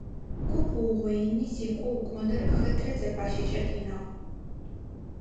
Куп уугъоини зекӀо укӀоныр хэтрэ дзэпащэкӀи къиныгъ.